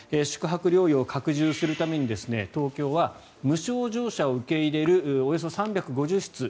宿泊療養を拡充するために東京は、無症状者を受け入れるおよそ３５０室